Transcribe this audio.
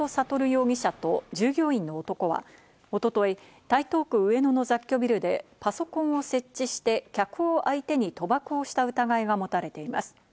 容疑者と従業員の男は、一昨日、台東区上野の雑居ビルでパソコンを設置して客を相手に賭博をした疑いが持たれています。